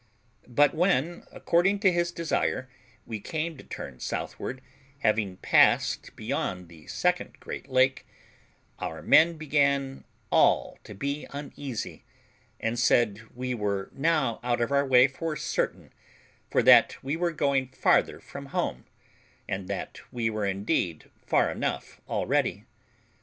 But when, according to his desire, we came to turn southward, having passed beyond the second great lake, our men began all to be uneasy, and said we were now out of our way for certain, for that we were going farther from home, and that we were indeed far enough off already.